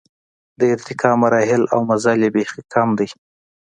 د ارتقا مراحل او مزل یې بېخي کم دی.